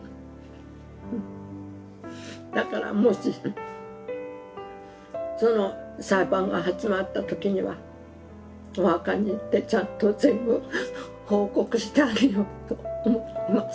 だからもしその裁判が始まった時にはお墓に行ってちゃんと全部報告してあげようと思ってます。